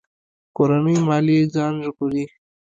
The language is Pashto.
کورنۍ ماليې ځان ژغوري.